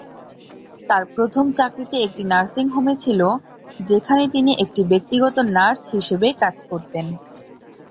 তার প্রথম চাকরি একটি নার্সিং হোমে ছিল, যেখানে তিনি একটি ব্যক্তিগত নার্স হিসেবে কাজ করতেন।